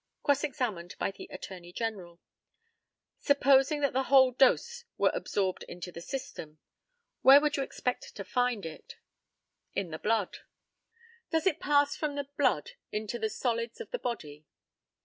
Cross examined by the ATTORNEY GENERAL: Supposing that the whole dose were absorbed into the system, where would you expect to find it? In the blood. Does it pass from the blood into the solids of the body?